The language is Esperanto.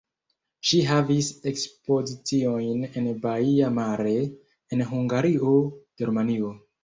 Ŝi havis ekspoziciojn en Baia Mare; en Hungario, Germanio.